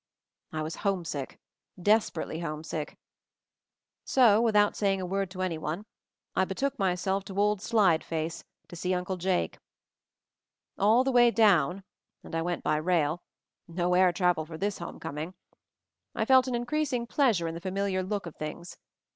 I was homesick, desperately homesick. So without saying a word to anyone I betook myself to old Slide face, to see Uncle Jake. All the way down — and I went by rail — no air travel for this homecoming! — I felt an increasing pleasure in the familiar look of things.